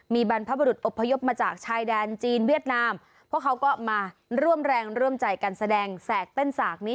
มีบรรพบรุษอบพยพมาจากชายแดนจีนเวียดนามเพราะเขาก็มาร่วมแรงร่วมใจกันแสดงแสกเต้นสากนี้